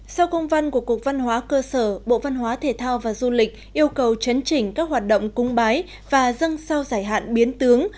sau công văn của cục văn hóa cơ sở bộ văn hóa thể thao và du lịch yêu cầu chấn chỉnh các hoạt động cúng bái và dân sao giải hạn biến tướng